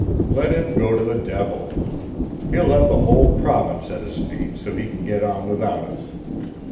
Let him go to the devil! He'll have the whole province at his feet, so he can get on without us.